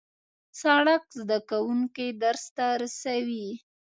سړک زدهکوونکي درس ته رسوي.